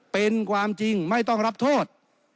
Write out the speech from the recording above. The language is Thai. เป็นความจริงไม่ต้องรับโทษ